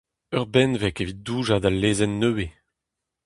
Ur benveg evit doujañ d'al lezenn nevez.